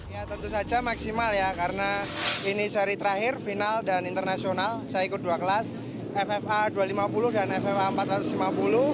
ya tentu saja maksimal ya karena ini seri terakhir final dan internasional saya ikut dua kelas ffa dua ratus lima puluh dan ffa empat ratus lima puluh